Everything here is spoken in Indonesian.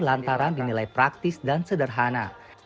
lantaran dinilai praktis dan sederhana